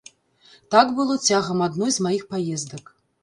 Так было цягам адной з маіх паездак.